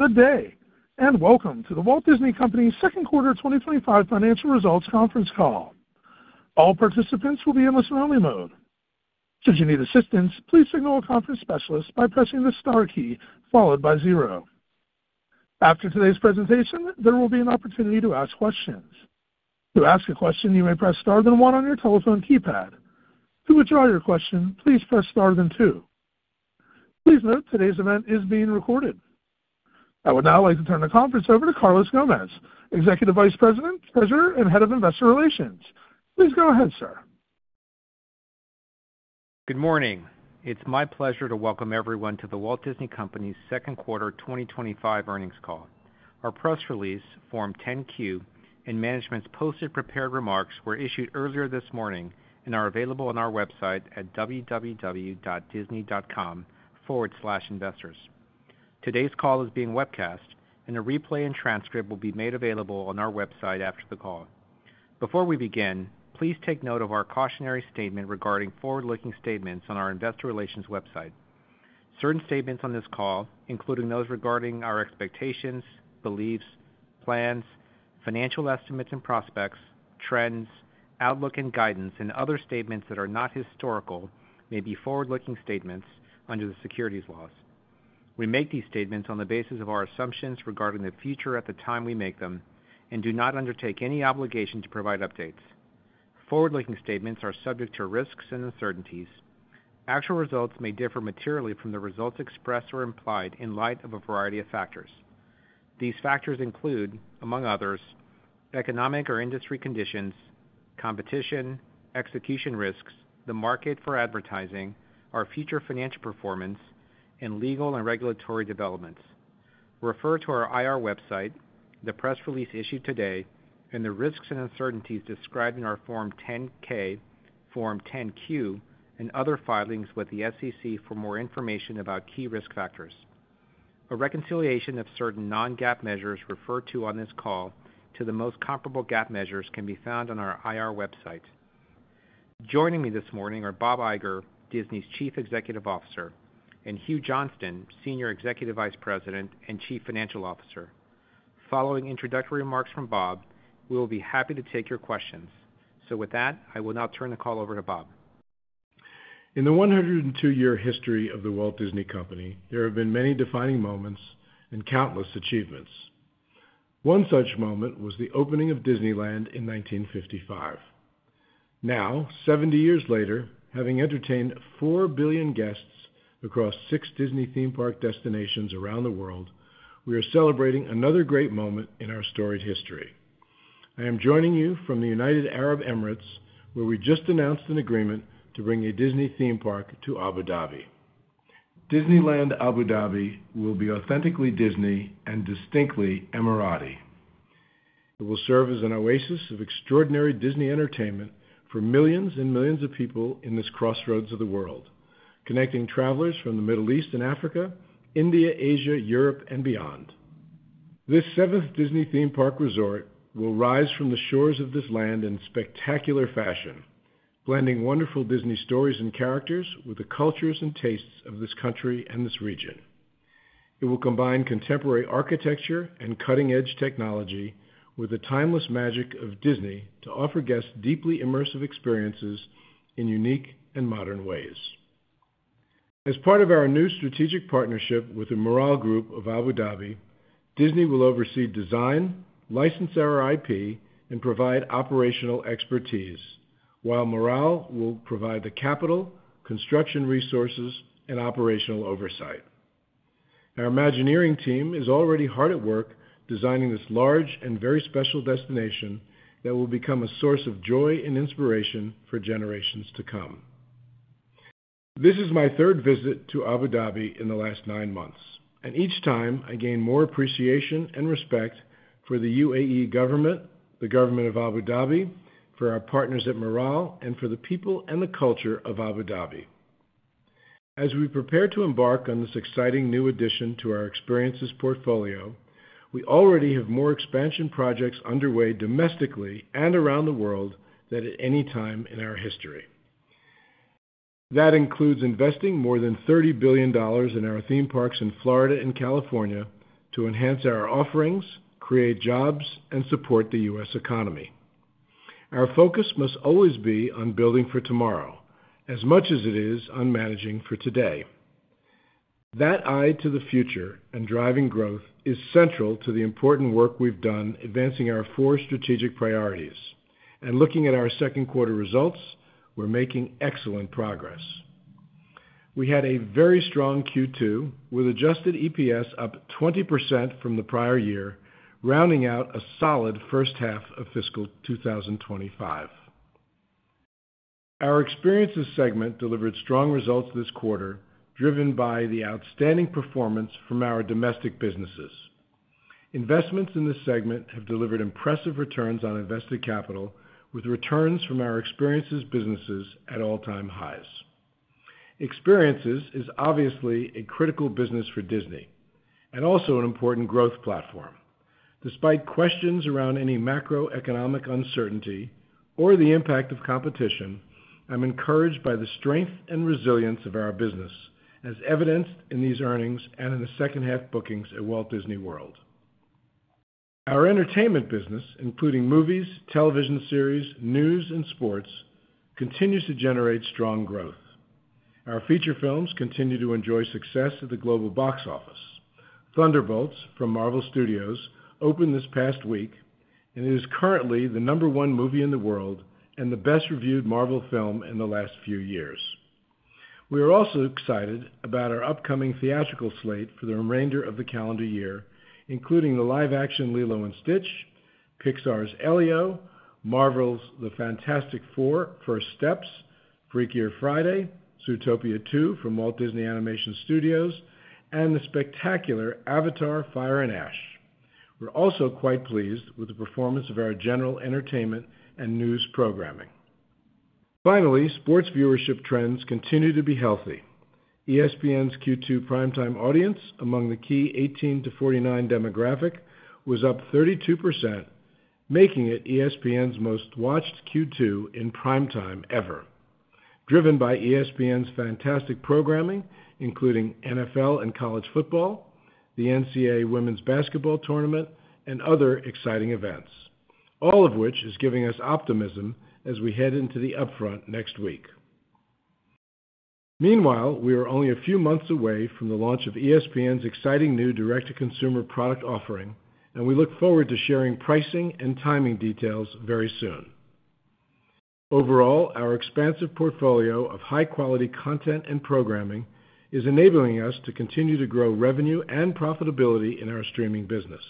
Good day, and welcome to The Walt Disney Company's second quarter 2025 financial results conference call. All participants will be in the surrounding mode. Should you need assistance, please signal a conference specialist by pressing the star key followed by zero. After today's presentation, there will be an opportunity to ask questions. To ask a question, you may press star then one on your telephone keypad. To withdraw your question, please press star then two. Please note today's event is being recorded. I would now like to turn the conference over to Carlos Gómez, Executive Vice President, Treasurer, and Head of Investor Relations. Please go ahead, sir. Good morning. It's my pleasure to welcome everyone to The Walt Disney Company's second quarter 2025 earnings call. Our press release, Form 10-Q, and management's posted prepared remarks were issued earlier this morning and are available on our website at www.disney.com/investors. Today's call is being webcast, and a replay and transcript will be made available on our website after the call. Before we begin, please take note of our cautionary statement regarding forward-looking statements on our investor relations website. Certain statements on this call, including those regarding our expectations, beliefs, plans, financial estimates and prospects, trends, outlook, and guidance, and other statements that are not historical, may be forward-looking statements under the securities laws. We make these statements on the basis of our assumptions regarding the future at the time we make them and do not undertake any obligation to provide updates. Forward-looking statements are subject to risks and uncertainties. Actual results may differ materially from the results expressed or implied in light of a variety of factors. These factors include, among others, economic or industry conditions, competition, execution risks, the market for advertising, our future financial performance, and legal and regulatory developments. Refer to our IR website, the press release issued today, and the risks and uncertainties described in our Form 10-K, Form 10-Q, and other filings with the SEC for more information about key risk factors. A reconciliation of certain non-GAAP measures referred to on this call to the most comparable GAAP measures can be found on our IR website. Joining me this morning are Bob Iger, Disney's Chief Executive Officer, and Hugh Johnston, Senior Executive Vice President and Chief Financial Officer. Following introductory remarks from Bob, we will be happy to take your questions. I will now turn the call over to Bob. In the 102-year history of The Walt Disney Company, there have been many defining moments and countless achievements. One such moment was the opening of Disneyland in 1955. Now, 70 years later, having entertained 4 billion guests across six Disney theme park destinations around the world, we are celebrating another great moment in our storied history. I am joining you from the United Arab Emirates, where we just announced an agreement to bring a Disney theme park to Abu Dhabi. Disneyland Abu Dhabi will be authentically Disney and distinctly Emirati. It will serve as an oasis of extraordinary Disney entertainment for millions and millions of people in this crossroads of the world, connecting travelers from the Middle East and Africa, India, Asia, Europe, and beyond. This seventh Disney theme park resort will rise from the shores of this land in spectacular fashion, blending wonderful Disney stories and characters with the cultures and tastes of this country and this region. It will combine contemporary architecture and cutting-edge technology with the timeless magic of Disney to offer guests deeply immersive experiences in unique and modern ways. As part of our new strategic partnership with the Miral Group of Abu Dhabi, Disney will oversee design, license our IP, and provide operational expertise, while Miral will provide the capital, construction resources, and operational oversight. Our Imagineering team is already hard at work designing this large and very special destination that will become a source of joy and inspiration for generations to come. This is my third visit to Abu Dhabi in the last nine months, and each time I gain more appreciation and respect for the UAE government, the government of Abu Dhabi, for our partners at Miral, and for the people and the culture of Abu Dhabi. As we prepare to embark on this exciting new addition to our experiences portfolio, we already have more expansion projects underway domestically and around the world than at any time in our history. That includes investing more than $30 billion in our theme parks in Florida and California to enhance our offerings, create jobs, and support the U.S. economy. Our focus must always be on building for tomorrow, as much as it is on managing for today. That eye to the future and driving growth is central to the important work we've done advancing our four strategic priorities. Looking at our second quarter results, we're making excellent progress. We had a very strong Q2 with adjusted EPS up 20% from the prior year, rounding out a solid first half of fiscal 2025. Our experiences segment delivered strong results this quarter, driven by the outstanding performance from our domestic businesses. Investments in this segment have delivered impressive returns on invested capital, with returns from our experiences businesses at all-time highs. Experiences is obviously a critical business for Disney and also an important growth platform. Despite questions around any macroeconomic uncertainty or the impact of competition, I'm encouraged by the strength and resilience of our business, as evidenced in these earnings and in the second-half bookings at Walt Disney World. Our entertainment business, including movies, television series, news, and sports, continues to generate strong growth. Our feature films continue to enjoy success at the global box office. Thunderbolts from Marvel Studios opened this past week, and it is currently the number one movie in the world and the best-reviewed Marvel film in the last few years. We are also excited about our upcoming theatrical slate for the remainder of the calendar year, including the live-action Lilo & Stitch, Pixar's Elio, Marvel's The Fantastic Four: First Steps, Freakier Friday, Zootopia 2 from Walt Disney Animation Studios, and the spectacular Avatar: Fire and Ash. We're also quite pleased with the performance of our general entertainment and news programming. Finally, sports viewership trends continue to be healthy. ESPN's Q2 primetime audience, among the key 18-49 demographic, was up 32%, making it ESPN's most watched Q2 in primetime ever. Driven by ESPN's fantastic programming, including NFL and college football, the NCAA women's basketball tournament, and other exciting events, all of which is giving us optimism as we head into the upfront next week. Meanwhile, we are only a few months away from the launch of ESPN's exciting new direct-to-consumer product offering, and we look forward to sharing pricing and timing details very soon. Overall, our expansive portfolio of high-quality content and programming is enabling us to continue to grow revenue and profitability in our streaming business.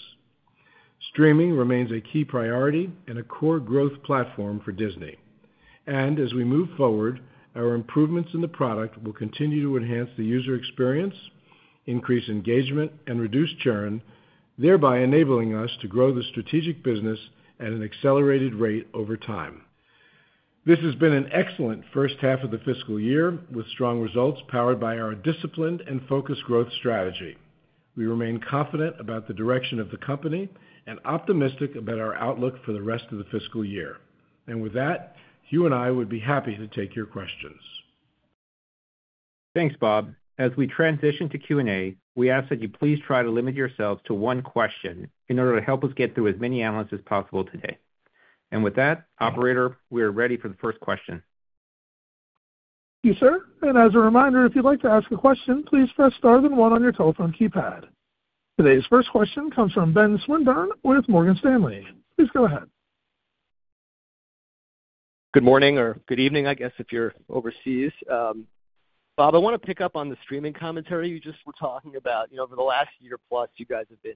Streaming remains a key priority and a core growth platform for Disney. As we move forward, our improvements in the product will continue to enhance the user experience, increase engagement, and reduce churn, thereby enabling us to grow the strategic business at an accelerated rate over time. This has been an excellent first half of the fiscal year with strong results powered by our disciplined and focused growth strategy. We remain confident about the direction of the company and optimistic about our outlook for the rest of the fiscal year. Hugh and I would be happy to take your questions. Thanks, Bob. As we transition to Q&A, we ask that you please try to limit yourselves to one question in order to help us get through as many analysts as possible today. With that, Operator, we are ready for the first question. Yes, sir. As a reminder, if you'd like to ask a question, please press star then one on your telephone keypad. Today's first question comes from Benj Swinburne with Morgan Stanley. Please go ahead. Good morning, or good evening, I guess, if you're overseas. Bob, I want to pick up on the streaming commentary you just were talking about. Over the last year plus, you guys have been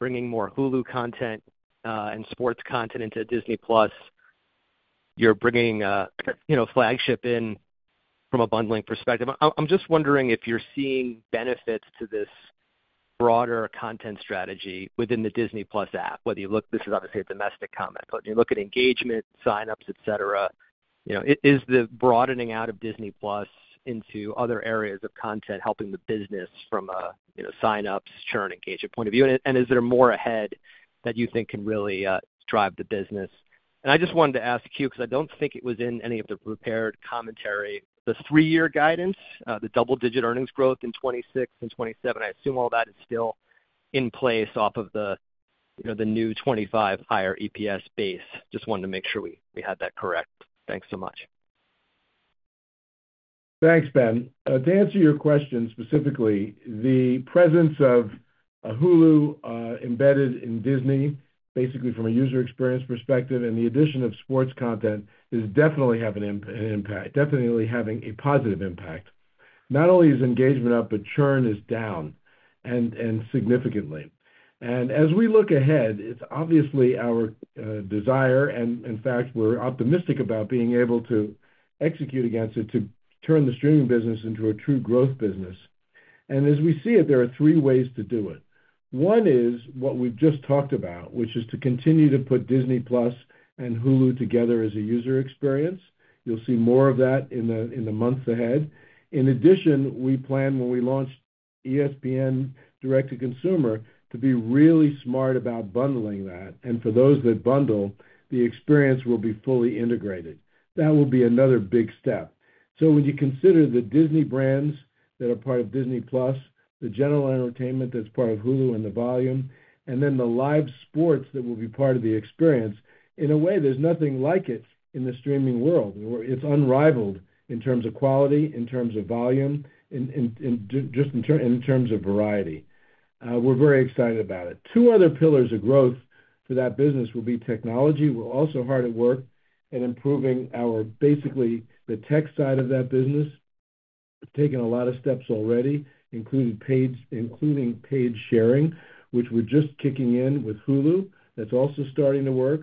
bringing more Hulu content and sports content into Disney+. You're bringing a flagship in from a bundling perspective. I'm just wondering if you're seeing benefits to this broader content strategy within the Disney+ app. This is obviously a domestic comment, but when you look at engagement, sign-ups, etc., is the broadening out of Disney+ into other areas of content helping the business from a sign-ups, churn, engagement point of view? Is there more ahead that you think can really drive the business? I just wanted to ask Hugh, because I do not think it was in any of the prepared commentary, the three-year guidance, the double-digit earnings growth in 2026 and 2027, I assume all that is still in place off of the new 2025 higher EPS base. Just wanted to make sure we had that correct. Thanks so much. Thanks, Ben. To answer your question specifically, the presence of a Hulu embedded in Disney, basically from a user experience perspective, and the addition of sports content is definitely having an impact, definitely having a positive impact. Not only is engagement up, but churn is down and significantly. As we look ahead, it's obviously our desire, and in fact, we're optimistic about being able to execute against it to turn the streaming business into a true growth business. As we see it, there are three ways to do it. One is what we've just talked about, which is to continue to put Disney+ and Hulu together as a user experience. You'll see more of that in the months ahead. In addition, we plan when we launch ESPN direct-to-consumer to be really smart about bundling that. For those that bundle, the experience will be fully integrated. That will be another big step. When you consider the Disney brands that are part of Disney+, the general entertainment that's part of Hulu and the volume, and then the live sports that will be part of the experience, in a way, there's nothing like it in the streaming world. It's unrivaled in terms of quality, in terms of volume, and just in terms of variety. We're very excited about it. Two other pillars of growth for that business will be technology. We're also hard at work at improving our, basically, the tech side of that business. We've taken a lot of steps already, including paid sharing, which we're just kicking in with Hulu. That's also starting to work.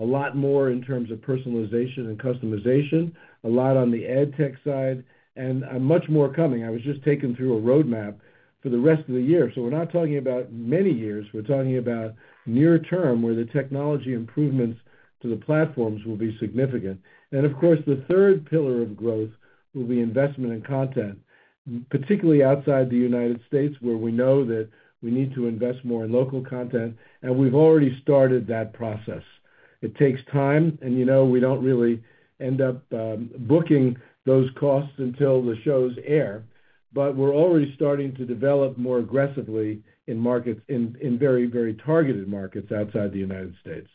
A lot more in terms of personalization and customization, a lot on the edtech side, and much more coming. I was just taken through a roadmap for the rest of the year. We're not talking about many years. We're talking about near term where the technology improvements to the platforms will be significant. Of course, the third pillar of growth will be investment in content, particularly outside the United States, where we know that we need to invest more in local content. We've already started that process. It takes time, and you know we don't really end up booking those costs until the shows air, but we're already starting to develop more aggressively in very, very targeted markets outside the United States.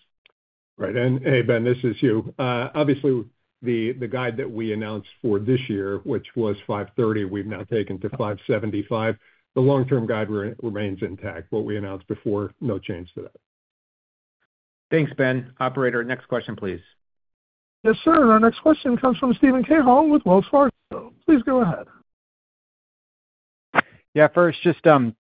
Right. Hey, Ben, this is Hugh. Obviously, the guide that we announced for this year, which was 5.30, we've now taken to 5.75. The long-term guide remains intact. What we announced before, no change to that. Thanks, Ben. Operator, next question, please. Yes, sir. Our next question comes from Steven Cahall with Wells Fargo. Please go ahead. Yeah, first, just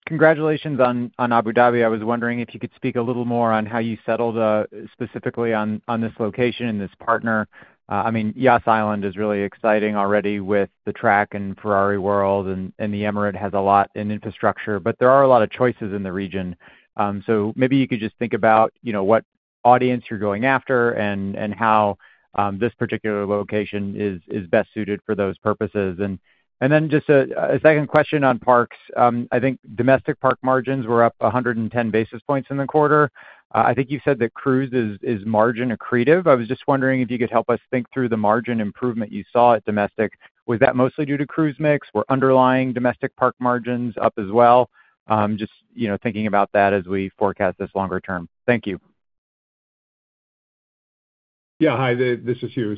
congratulations on Abu Dhabi. I was wondering if you could speak a little more on how you settled specifically on this location and this partner. I mean, Yas Island is really exciting already with the track and Ferrari World, and the Emirate has a lot in infrastructure, but there are a lot of choices in the region. Maybe you could just think about what audience you're going after and how this particular location is best suited for those purposes. Just a second question on parks. I think domestic park margins were up 110 basis points in the quarter. I think you said that cruise is margin accretive. I was just wondering if you could help us think through the margin improvement you saw at domestic. Was that mostly due to cruise mix? Were underlying domestic park margins up as well. Just thinking about that as we forecast this longer term. Thank you. Yeah, hi, this is Hugh.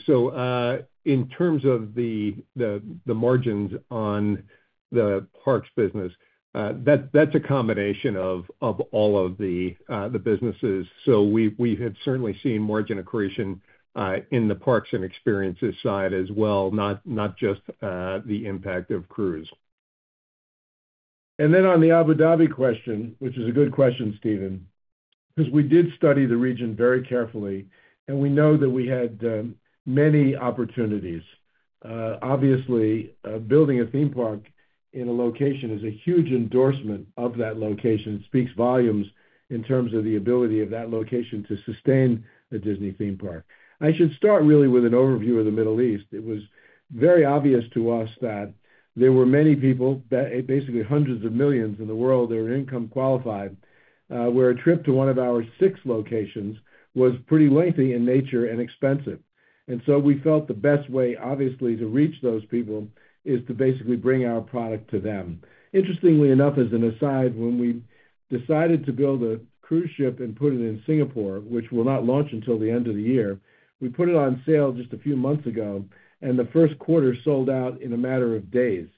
In terms of the margins on the parks business, that's a combination of all of the businesses. We have certainly seen margin accretion in the parks and experiences side as well, not just the impact of cruise. On the Abu Dhabi question, which is a good question, Steven, we did study the region very carefully, and we know that we had many opportunities. Obviously, building a theme park in a location is a huge endorsement of that location. It speaks volumes in terms of the ability of that location to sustain a Disney theme park. I should start really with an overview of the Middle East. It was very obvious to us that there were many people, basically hundreds of millions in the world that are income qualified, where a trip to one of our six locations was pretty lengthy in nature and expensive. We felt the best way, obviously, to reach those people is to basically bring our product to them. Interestingly enough, as an aside, when we decided to build a cruise ship and put it in Singapore, which will not launch until the end of the year, we put it on sale just a few months ago, and the first quarter sold out in a matter of days,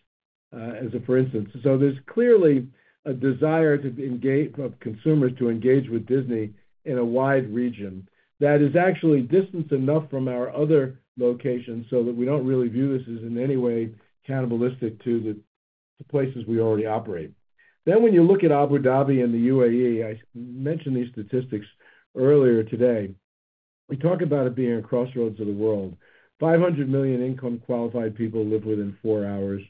as a for instance. There is clearly a desire of consumers to engage with Disney in a wide region that is actually distanced enough from our other locations so that we do not really view this as in any way cannibalistic to the places we already operate. When you look at Abu Dhabi and the UAE, I mentioned these statistics earlier today. We talk about it being a crossroads of the world. 500 million income qualified people live within four hours.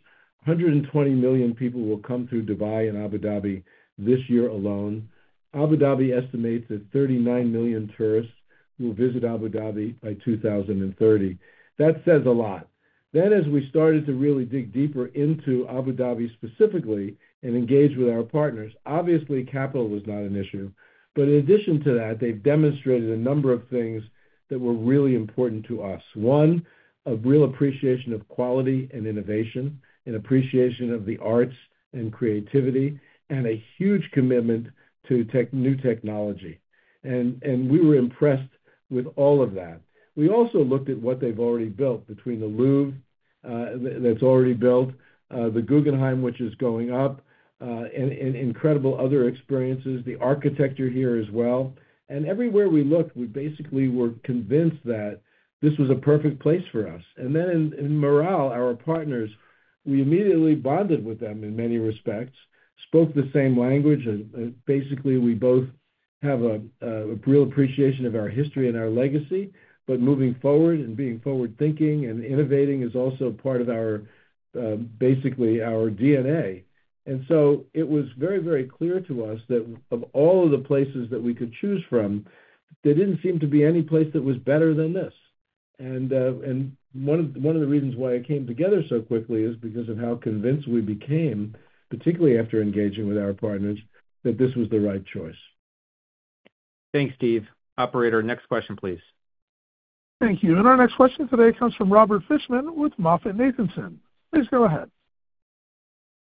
120 million people will come through Dubai and Abu Dhabi this year alone. Abu Dhabi estimates that 39 million tourists will visit Abu Dhabi by 2030. That says a lot. As we started to really dig deeper into Abu Dhabi specifically and engage with our partners, obviously, capital was not an issue. In addition to that, they have demonstrated a number of things that were really important to us. One, a real appreciation of quality and innovation, an appreciation of the arts and creativity, and a huge commitment to new technology. We were impressed with all of that. We also looked at what they've already built between the Louvre that's already built, the Guggenheim, which is going up, and incredible other experiences, the architecture here as well. Everywhere we looked, we basically were convinced that this was a perfect place for us. In Miral, our partners, we immediately bonded with them in many respects, spoke the same language. Basically, we both have a real appreciation of our history and our legacy, but moving forward and being forward-thinking and innovating is also part of basically our DNA. It was very, very clear to us that of all of the places that we could choose from, there did not seem to be any place that was better than this. One of the reasons why it came together so quickly is because of how convinced we became, particularly after engaging with our partners, that this was the right choice. Thanks, Steve. Operator, next question, please. Thank you. Our next question today comes from Robert Fishman with MoffettNathanson. Please go ahead.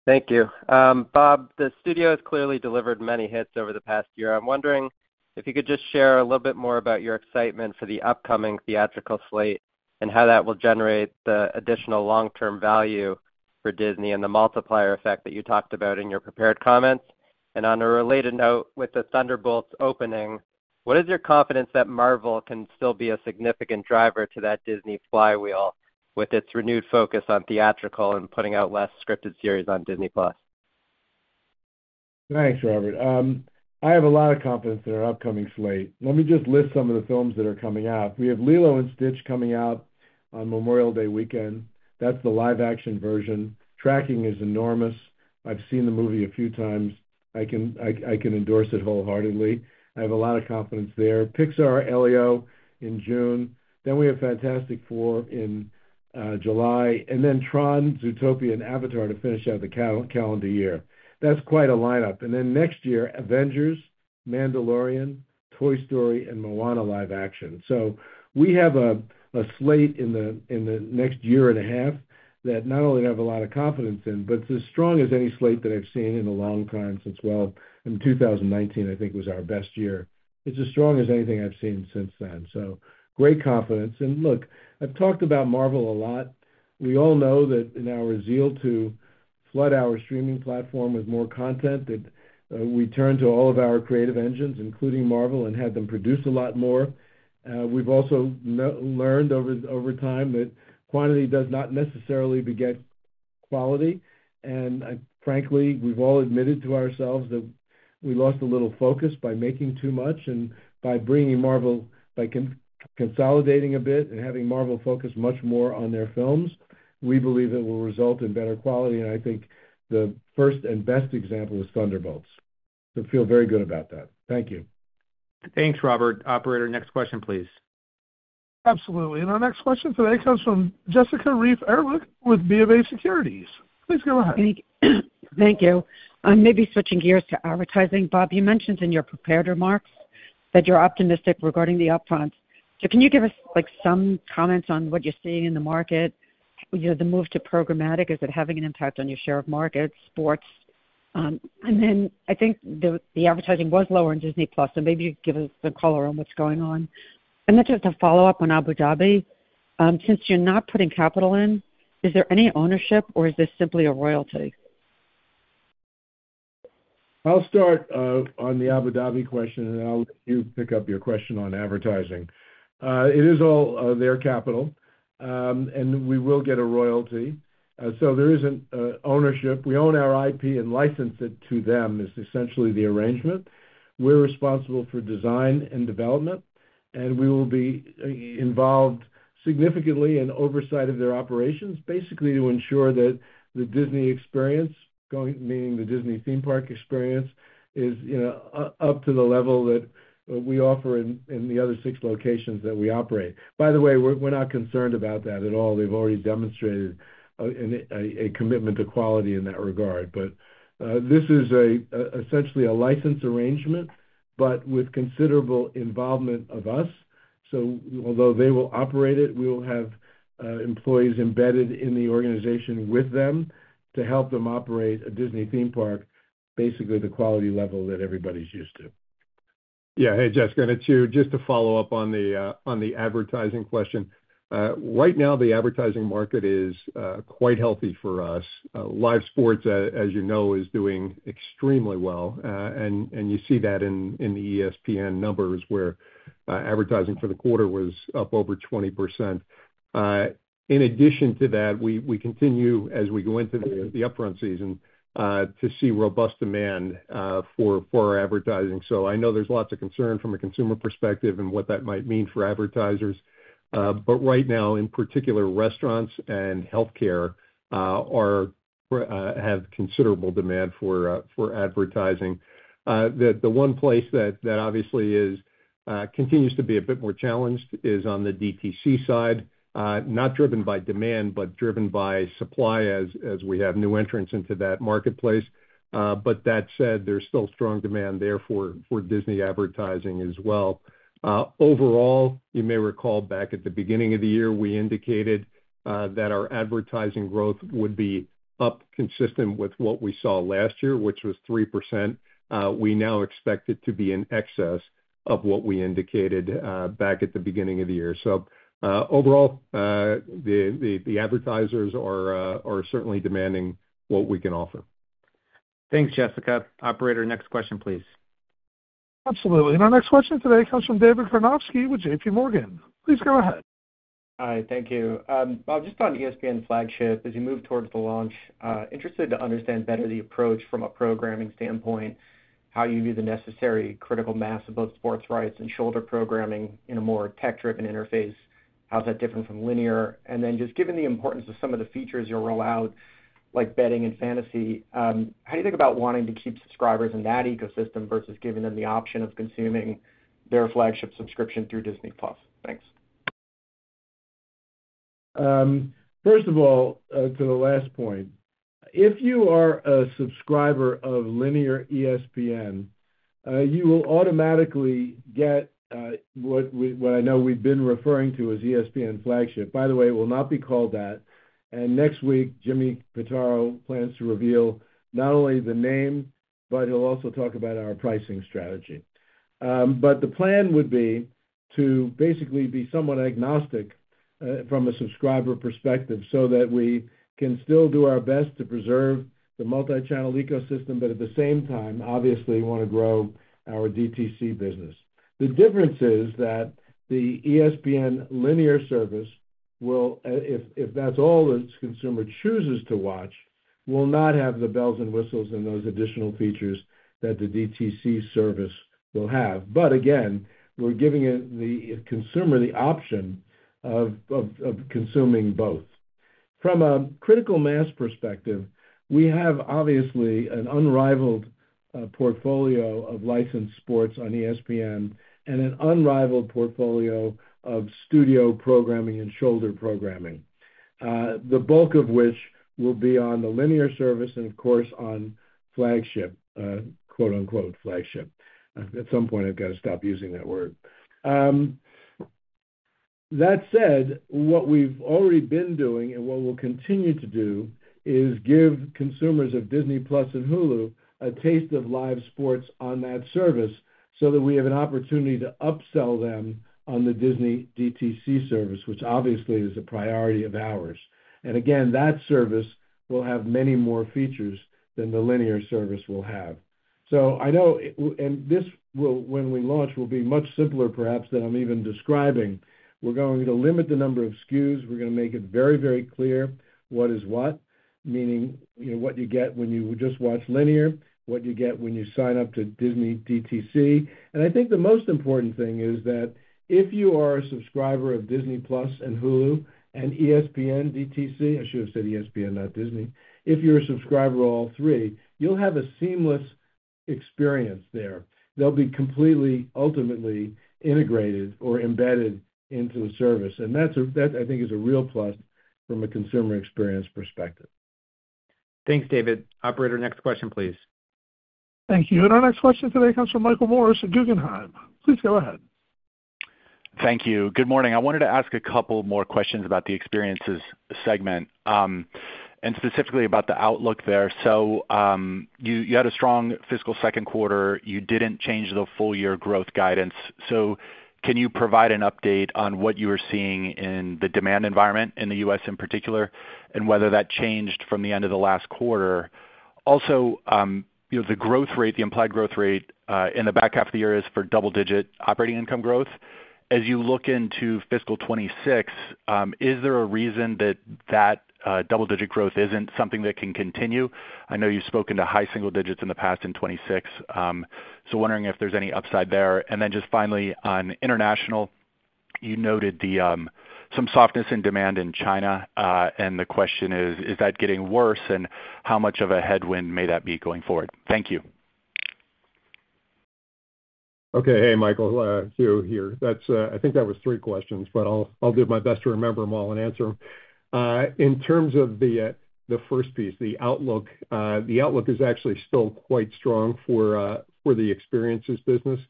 Thank you. Bob, the studio has clearly delivered many hits over the past year. I'm wondering if you could just share a little bit more about your excitement for the upcoming theatrical slate and how that will generate the additional long-term value for Disney and the multiplier effect that you talked about in your prepared comments. On a related note, with the Thunderbolts opening, what is your confidence that Marvel can still be a significant driver to that Disney flywheel with its renewed focus on theatrical and putting out less scripted series on Disney+? Thanks, Robert. I have a lot of confidence in our upcoming slate. Let me just list some of the films that are coming out. We have Lilo & Stitch coming out on Memorial Day weekend. That's the live-action version. Tracking is enormous. I've seen the movie a few times. I can endorse it wholeheartedly. I have a lot of confidence there. Pixar Elio in June. Then we have Fantastic Four in July. Then Tron, Zootopia, and Avatar to finish out the calendar year. That's quite a lineup. Next year, Avengers, Mandalorian, Toy Story, and Moana live action. We have a slate in the next year and a half that not only I have a lot of confidence in, but it's as strong as any slate that I've seen in a long time since, in 2019, I think was our best year. It's as strong as anything I've seen since then. Great confidence. Look, I've talked about Marvel a lot. We all know that in our zeal to flood our streaming platform with more content, we turned to all of our creative engines, including Marvel, and had them produce a lot more. We've also learned over time that quantity does not necessarily beget quality. Frankly, we've all admitted to ourselves that we lost a little focus by making too much and by bringing Marvel, by consolidating a bit and having Marvel focus much more on their films. We believe it will result in better quality. I think the first and best example is Thunderbolts. I feel very good about that. Thank you. Thanks, Robert. Operator, next question, please. Absolutely. Our next question today comes from Jessica Reif Ehrlich with BofA Securities. Please go ahead. Thank you. I'm maybe switching gears to advertising. Bob, you mentioned in your prepared remarks that you're optimistic regarding the upfront. Can you give us some comments on what you're seeing in the market? The move to programmatic, is it having an impact on your share of markets, sports? I think the advertising was lower in Disney+, so maybe you could give us a color on what's going on. Just to follow up on Abu Dhabi, since you're not putting capital in, is there any ownership or is this simply a royalty? I'll start on the Abu Dhabi question, and I'll let you pick up your question on advertising. It is all their capital, and we will get a royalty. There isn't ownership. We own our IP and license it to them is essentially the arrangement. We're responsible for design and development, and we will be involved significantly in oversight of their operations, basically to ensure that the Disney experience, meaning the Disney theme park experience, is up to the level that we offer in the other six locations that we operate. By the way, we're not concerned about that at all. They've already demonstrated a commitment to quality in that regard. This is essentially a license arrangement, but with considerable involvement of us. Although they will operate it, we will have employees embedded in the organization with them to help them operate a Disney theme park, basically the quality level that everybody's used to. Yeah. Hey, Jessica, just to follow up on the advertising question. Right now, the advertising market is quite healthy for us. Live sports, as you know, is doing extremely well. You see that in the ESPN numbers where advertising for the quarter was up over 20%. In addition to that, we continue, as we go into the upfront season, to see robust demand for our advertising. I know there's lots of concern from a consumer perspective and what that might mean for advertisers. Right now, in particular, restaurants and healthcare have considerable demand for advertising. The one place that obviously continues to be a bit more challenged is on the DTC side, not driven by demand, but driven by supply as we have new entrants into that marketplace. That said, there's still strong demand there for Disney advertising as well. Overall, you may recall back at the beginning of the year, we indicated that our advertising growth would be up consistent with what we saw last year, which was 3%. We now expect it to be in excess of what we indicated back at the beginning of the year. Overall, the advertisers are certainly demanding what we can offer. Thanks, Jessica. Operator, next question, please. Absolutely. Our next question today comes from David Karnovsky with JPMorgan. Please go ahead. Hi. Thank you. Bob, just on ESPN Flagship, as you move towards the launch, interested to understand better the approach from a programming standpoint, how you view the necessary critical mass of both sports rights and shoulder programming in a more tech-driven interface. How's that different from linear? Just given the importance of some of the features you'll roll out, like betting and fantasy, how do you think about wanting to keep subscribers in that ecosystem versus giving them the option of consuming their flagship subscription through Disney+? Thanks. First of all, to the last point, if you are a subscriber of linear ESPN, you will automatically get what I know we've been referring to as ESPN Flagship. By the way, it will not be called that. Next week, Jimmy Pitaro plans to reveal not only the name, but he'll also talk about our pricing strategy. The plan would be to basically be somewhat agnostic from a subscriber perspective so that we can still do our best to preserve the multi-channel ecosystem, but at the same time, obviously, want to grow our DTC business. The difference is that the ESPN linear service, if that's all that the consumer chooses to watch, will not have the bells and whistles and those additional features that the DTC service will have. Again, we're giving the consumer the option of consuming both. From a critical mass perspective, we have obviously an unrivaled portfolio of licensed sports on ESPN and an unrivaled portfolio of studio programming and shoulder programming, the bulk of which will be on the linear service and, of course, on flagship, quote-unquote, flagship. At some point, I've got to stop using that word. That said, what we've already been doing and what we'll continue to do is give consumers of Disney+ and Hulu a taste of live sports on that service so that we have an opportunity to upsell them on the Disney DTC service, which obviously is a priority of ours. Again, that service will have many more features than the linear service will have. I know, and this will, when we launch, will be much simpler, perhaps, than I'm even describing. We're going to limit the number of SKUs. We're going to make it very, very clear what is what, meaning what you get when you just watch linear, what you get when you sign up to Disney DTC. I think the most important thing is that if you are a subscriber of Disney+ and Hulu and ESPN DTC, I should have said ESPN, not Disney. If you're a subscriber of all three, you'll have a seamless experience there. They'll be completely, ultimately integrated or embedded into the service. That, I think, is a real plus from a consumer experience perspective. Thanks, David. Operator, next question, please. Thank you. Our next question today comes from Michael Morris at Guggenheim. Please go ahead. Thank you. Good morning. I wanted to ask a couple more questions about the experiences segment and specifically about the outlook there. You had a strong fiscal second quarter. You did not change the full year growth guidance. Can you provide an update on what you were seeing in the demand environment in the U.S. in particular and whether that changed from the end of the last quarter? Also, the growth rate, the implied growth rate in the back half of the year is for double-digit operating income growth. As you look into fiscal 2026, is there a reason that that double-digit growth is not something that can continue? I know you have spoken to high single digits in the past in 2026. Wondering if there is any upside there. Finally, on international, you noted some softness in demand in China. The question is, is that getting worse? How much of a headwind may that be going forward? Thank you. Okay. Hey, Michael, Hugh here. I think that was three questions, but I'll do my best to remember them all and answer them. In terms of the first piece, the outlook, the outlook is actually still quite strong for the experiences business.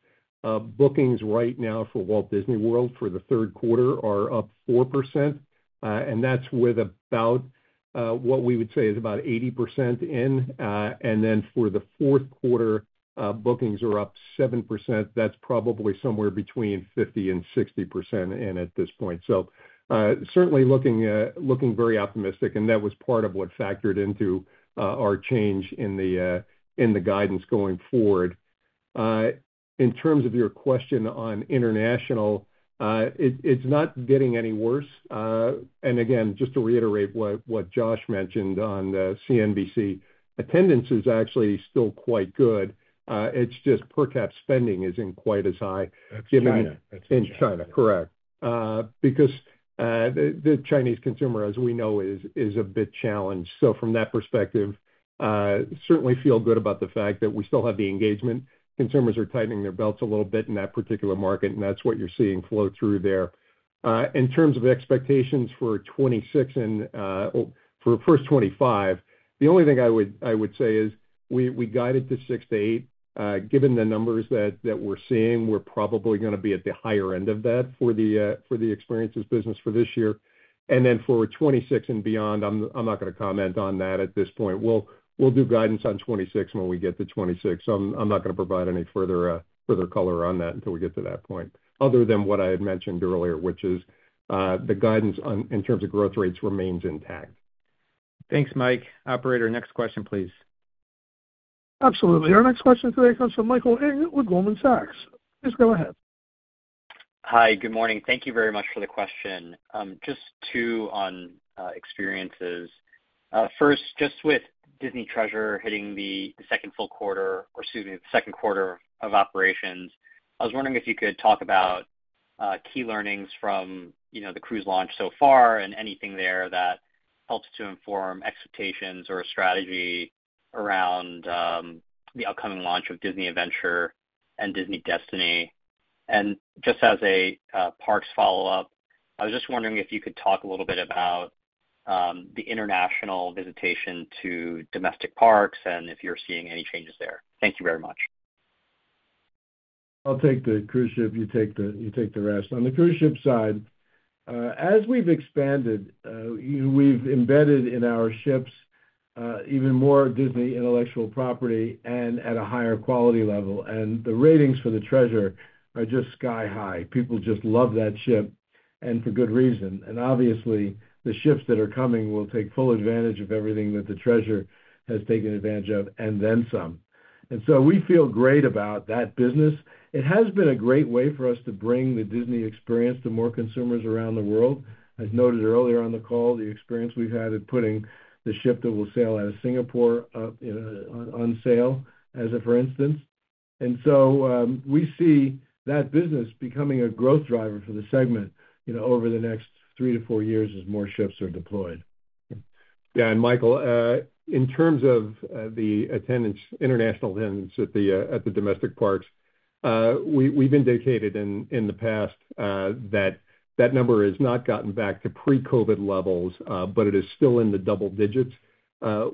Bookings right now for Walt Disney World for the third quarter are up 4%. That is with about what we would say is about 80% in. For the fourth quarter, bookings are up 7%. That is probably somewhere between 50%-60% in at this point. Certainly looking very optimistic. That was part of what factored into our change in the guidance going forward. In terms of your question on international, it is not getting any worse. Again, just to reiterate what Josh mentioned on CNBC, attendance is actually still quite good. It is just per cap spending is not quite as high. That's China. In China, correct. Because the Chinese consumer, as we know, is a bit challenged. From that perspective, certainly feel good about the fact that we still have the engagement. Consumers are tightening their belts a little bit in that particular market, and that's what you're seeing flow through there. In terms of expectations for 2026 and for first 2025, the only thing I would say is we guided 6-8. Given the numbers that we're seeing, we're probably going to be at the higher end of that for the experiences business for this year. For 2026 and beyond, I'm not going to comment on that at this point. We'll do guidance on 2026 when we get to 2026. I'm not going to provide any further color on that until we get to that point, other than what I had mentioned earlier, which is the guidance in terms of growth rates remains intact. Thanks, Mike. Operator, next question, please. Absolutely. Our next question today comes from Michael Ahern with Goldman Sachs. Please go ahead. Hi. Good morning. Thank you very much for the question. Just two on experiences. First, just with Disney Treasure hitting the second full quarter, or excuse me, the second quarter of operations, I was wondering if you could talk about key learnings from the cruise launch so far and anything there that helps to inform expectations or strategy around the upcoming launch of Disney Adventure and Disney Destiny. Just as a parks follow-up, I was just wondering if you could talk a little bit about the international visitation to domestic parks and if you're seeing any changes there. Thank you very much. I'll take the cruise ship. You take the rest. On the cruise ship side, as we've expanded, we've embedded in our ships even more Disney intellectual property and at a higher quality level. The ratings for the Treasure are just sky-high. People just love that ship, and for good reason. The ships that are coming will take full advantage of everything that the Treasure has taken advantage of and then some. We feel great about that business. It has been a great way for us to bring the Disney experience to more consumers around the world. As noted earlier on the call, the experience we've had in putting the ship that will sail out of Singapore on sale, as for instance. We see that business becoming a growth driver for the segment over the next three to four years as more ships are deployed. Yeah. Michael, in terms of the attendance, international attendance at the domestic parks, we've indicated in the past that that number has not gotten back to pre-COVID levels, but it is still in the double digits.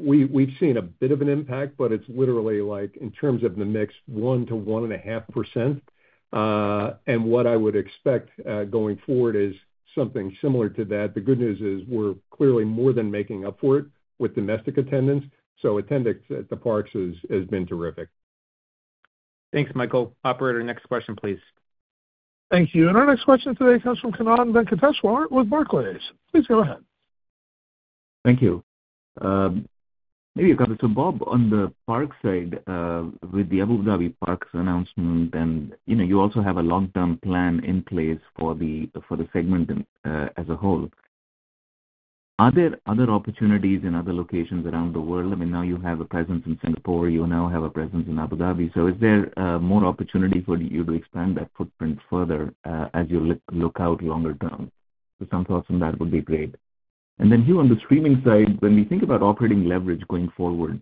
We've seen a bit of an impact, but it's literally like in terms of the mix, 1%-1.5%. What I would expect going forward is something similar to that. The good news is we're clearly more than making up for it with domestic attendance. Attendance at the parks has been terrific. Thanks, Michael. Operator, next question, please. Thank you. Our next question today comes from Kannan Venkateshwar with Barclays. Please go ahead. Thank you. Maybe you come to Bob on the park side with the Abu Dhabi parks announcement. You also have a long-term plan in place for the segment as a whole. Are there other opportunities in other locations around the world? I mean, now you have a presence in Singapore. You now have a presence in Abu Dhabi. Is there more opportunity for you to expand that footprint further as you look out longer term? Some thoughts on that would be great. Hugh, on the streaming side, when we think about operating leverage going forward,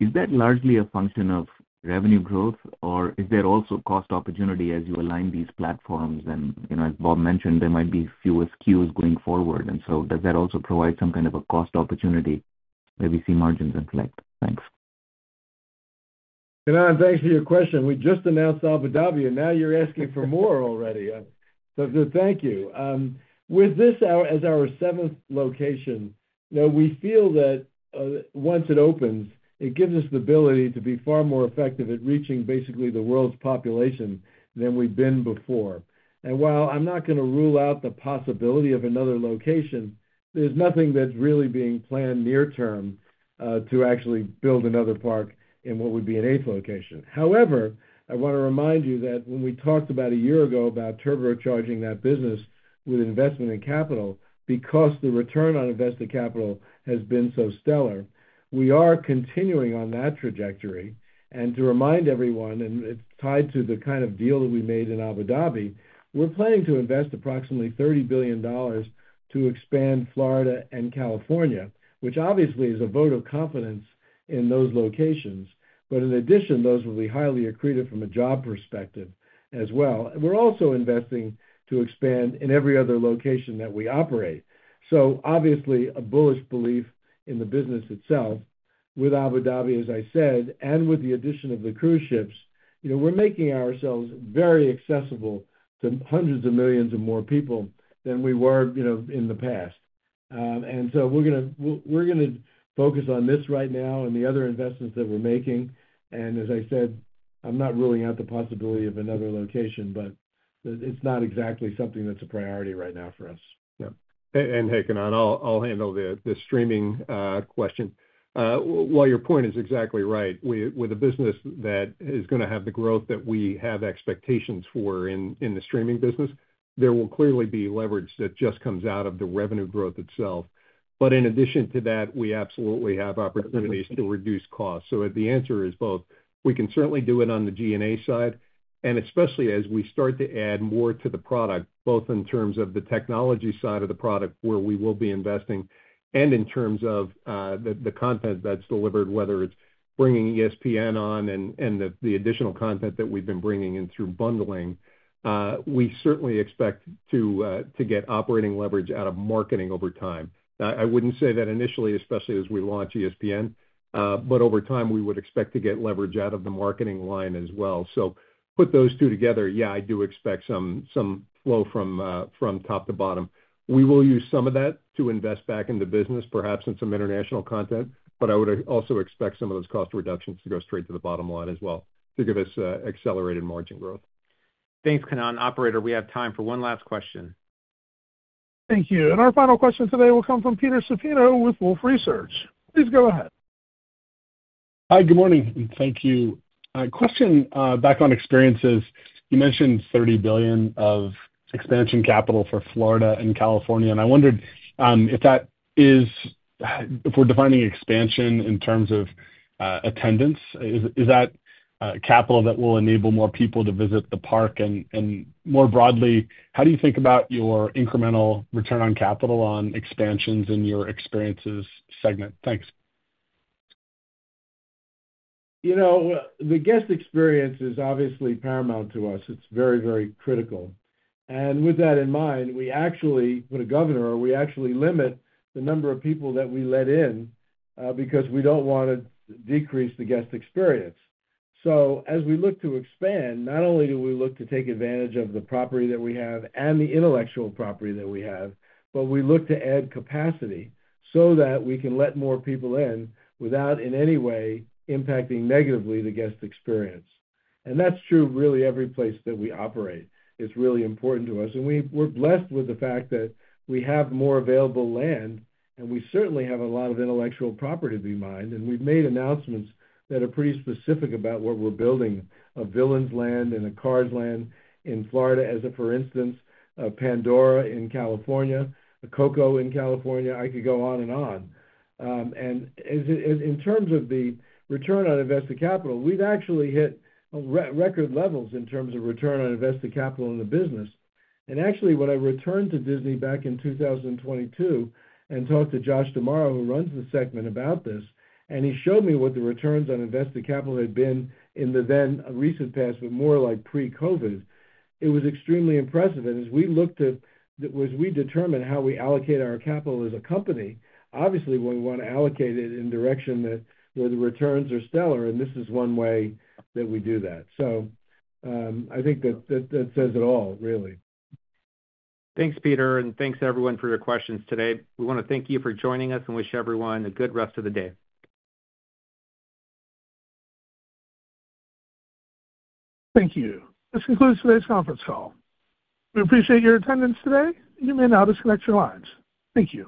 is that largely a function of revenue growth, or is there also cost opportunity as you align these platforms? As Bob mentioned, there might be fewer SKUs going forward. Does that also provide some kind of a cost opportunity where we see margins inflect? Thanks. Kannan, thanks for your question. We just announced Abu Dhabi, and now you're asking for more already. Thank you. With this as our seventh location, we feel that once it opens, it gives us the ability to be far more effective at reaching basically the world's population than we've been before. While I'm not going to rule out the possibility of another location, there's nothing that's really being planned near-term to actually build another park in what would be an eighth location. However, I want to remind you that when we talked about a year ago about turbocharging that business with investment and capital, because the return on invested capital has been so stellar, we are continuing on that trajectory. To remind everyone, and it's tied to the kind of deal that we made in Abu Dhabi, we're planning to invest approximately $30 billion to expand Florida and California, which obviously is a vote of confidence in those locations. In addition, those will be highly accretive from a job perspective as well. We're also investing to expand in every other location that we operate. Obviously, a bullish belief in the business itself with Abu Dhabi, as I said, and with the addition of the cruise ships, we're making ourselves very accessible to hundreds of millions of more people than we were in the past. We're going to focus on this right now and the other investments that we're making. As I said, I'm not ruling out the possibility of another location, but it's not exactly something that's a priority right now for us. Hey, Kannan, I'll handle the streaming question. While your point is exactly right, with a business that is going to have the growth that we have expectations for in the streaming business, there will clearly be leverage that just comes out of the revenue growth itself. In addition to that, we absolutely have opportunities to reduce costs. The answer is both. We can certainly do it on the G&A side, and especially as we start to add more to the product, both in terms of the technology side of the product where we will be investing and in terms of the content that's delivered, whether it's bringing ESPN on and the additional content that we've been bringing in through bundling. We certainly expect to get operating leverage out of marketing over time. I would not say that initially, especially as we launch ESPN, but over time, we would expect to get leverage out of the marketing line as well. Put those two together, yeah, I do expect some flow from top to bottom. We will use some of that to invest back in the business, perhaps in some international content, but I would also expect some of those cost reductions to go straight to the bottom line as well to give us accelerated margin growth. Thanks, Kannan. Operator, we have time for one last question. Thank you. Our final question today will come from Peter Supino with Wolfe Research. Please go ahead. Hi. Good morning. Thank you. Question back on experiences. You mentioned $30 billion of expansion capital for Florida and California. I wondered if that is, if we're defining expansion in terms of attendance, is that capital that will enable more people to visit the park? More broadly, how do you think about your incremental return on capital on expansions in your experiences segment? Thanks. The guest experience is obviously paramount to us. It's very, very critical. With that in mind, we actually, with a governor, we actually limit the number of people that we let in because we don't want to decrease the guest experience. As we look to expand, not only do we look to take advantage of the property that we have and the intellectual property that we have, but we look to add capacity so that we can let more people in without in any way impacting negatively the guest experience. That is true really every place that we operate. It's really important to us. We're blessed with the fact that we have more available land, and we certainly have a lot of intellectual property to be mined. We have made announcements that are pretty specific about what we're building: a Villain's Land and a Cars Land in Florida, for instance, a Pandora in California, a Coco in California. I could go on and on. In terms of the return on invested capital, we have actually hit record levels in terms of return on invested capital in the business. Actually, when I returned to Disney back in 2022 and talked to Josh D'Amaro, who runs the segment, about this, and he showed me what the returns on invested capital had been in the then recent past, but more like pre-COVID, it was extremely impressive. As we looked at, as we determined how we allocate our capital as a company, obviously, we want to allocate it in a direction where the returns are stellar. This is one way that we do that. I think that says it all, really. Thanks, Peter. Thanks everyone for your questions today. We want to thank you for joining us and wish everyone a good rest of the day. Thank you. This concludes today's conference call. We appreciate your attendance today. You may now disconnect your lines. Thank you.